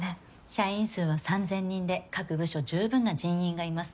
社員数は３，０００人で各部署十分な人員がいます。